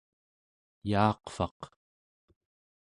yaaqvaq